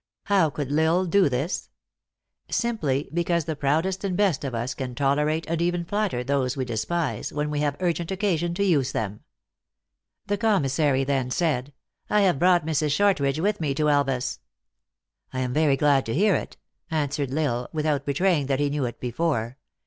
How could L Isle do this ? Simply because the proudest and best of us can tolerate, and even flatter, those we despise, when we have urgent occasion to use them. The commissary then said, " I have brought Mrs. Shortridge with me to Elvas." " I am very glad to hear it," answered L Isle, with out betraying that he knew it before.